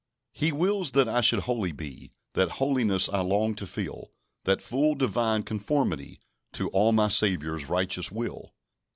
"He wills that I should holy be: That holiness I long to feel; That full Divine conformity To all my Saviour's righteous will."